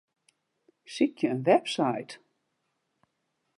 Sykje in webside.